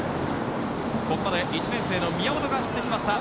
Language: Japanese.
ここまで１年生の宮本が走ってきました。